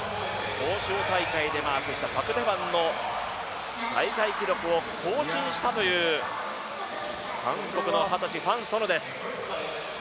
欧州大会で出してきたパク・テファンの大会記録を更新したという韓国の二十歳、ファン・ソヌです